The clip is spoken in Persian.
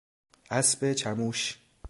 اسب چموش